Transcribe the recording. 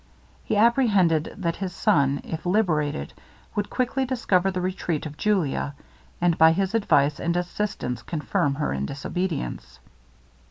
He apprehended that his son, if liberated, would quickly discover the retreat of Julia, and by his advice and assistance confirm her in disobedience.